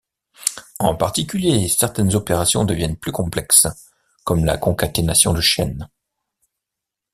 En particulier, certaines opérations deviennent plus complexes comme la concaténation de chaînes.